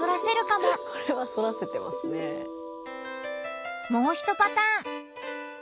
もうひとパターン！